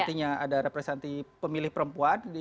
artinya ada representi pemilih perempuan di politik